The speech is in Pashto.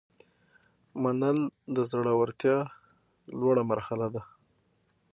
منل د زړورتیا لوړه مرحله ده.